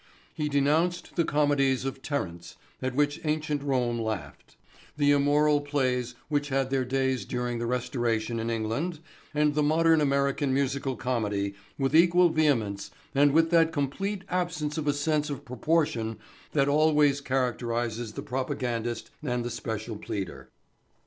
He denounced the comedies of Terence at which ancient Rome laughed; the immoral plays which had their day during the Restoration in England and the modern American musical comedy with equal vehemence and with that complete absence of a sense of proportion which always characterizes the propagandist and the special pleader.